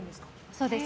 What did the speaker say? そうです。